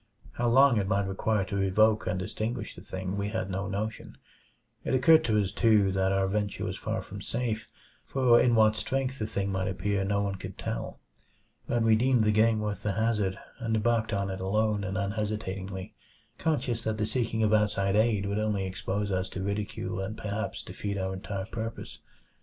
How long it might require to evoke and extinguish the thing, we had no notion. It occurred to us, too, that our venture was far from safe; for in what strength the thing might appear no one could tell. But we deemed the game worth the hazard, and embarked on it alone and unhesitatingly; conscious that the seeking of outside aid would only expose us to ridicule and perhaps defeat our entire purpose.